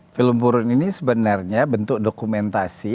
film burung ini sebenarnya bentuk dokumentasi